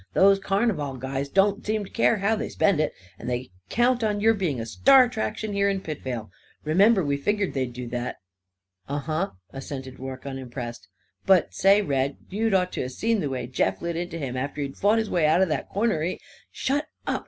Those carn'val guys don't seem to care how they spend it. And they count on your being a star attraction, here in Pitvale. Remember we figgered they'd do that." "Uh huh," assented Rorke, unimpressed. "But say, Red, you'd ought to 'a' seen the way Jeff lit into him, after he'd fought his way out of that corner! He " "Shut up!"